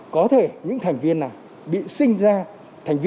có thể những thành viên này